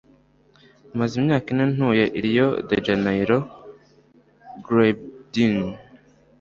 Maze imyaka ine ntuye i Rio de Janeiro. (gleydin)